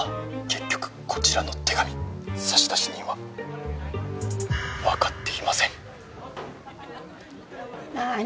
結局こちらの手紙差出人は分かっていません何？